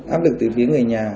áp lực từ phía người nhà